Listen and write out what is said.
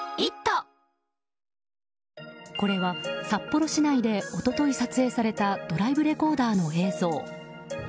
これは札幌市内で一昨日撮影されたドライブレコーダーの映像。